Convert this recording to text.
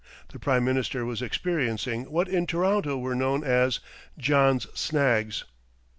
The Prime Minister was experiencing what in Toronto were known as "John's snags."